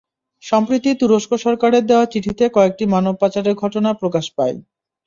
সম্প্রতি তুরস্ক সরকারের দেওয়া চিঠিতে কয়েকটি মানব পাচারের ঘটনা প্রকাশ পায়।